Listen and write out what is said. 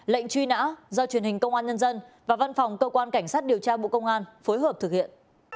lệnh truy nã do truyền hình công an nhân dân và văn phòng cơ quan cảnh sát điều tra bộ công an phối hợp thực hiện